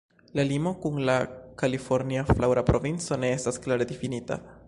La limo kun la Kalifornia Flaŭra Provinco ne estas klare difinita.